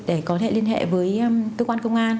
để có thể liên hệ với cơ quan công an